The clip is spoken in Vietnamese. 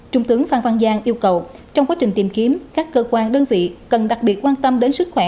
trung tướng phan văn giang yêu cầu trong quá trình tìm kiếm các cơ quan đơn vị cần đặc biệt quan tâm đến sức khỏe